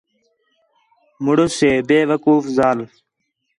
مُݨس ہے بیوقوف ذال